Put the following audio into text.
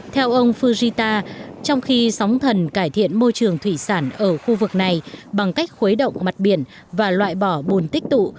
theo ông fujita trong khi sóng thần cải thiện môi trường thủy sản ở khu vực này bằng cách khuấy động mặt biển và loại bỏ bùn tích tụ